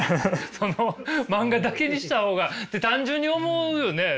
その漫画だけにした方がって単純に思うよね。